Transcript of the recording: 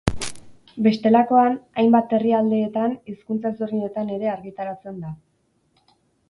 Bestelakoan, hainbat herrialdeetan hizkuntza ezberdinetan ere argitaratzen da.